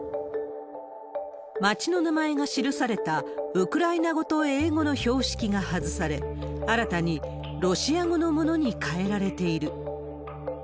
町の名前が記されたウクライナ語と英語の標識が外され、新たにロシア語のものに替えられている。